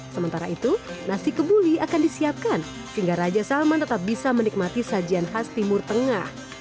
sementara itu nasi kebuli akan disiapkan sehingga raja salman tetap bisa menikmati sajian khas timur tengah